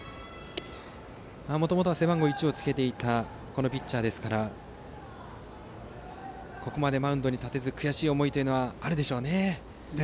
もともと背番号１をつけていたピッチャーなのでここまでマウンドに立てず悔しい思いはあるでしょうね。